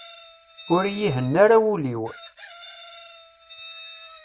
Ur iyi-ihenna ara wul-w.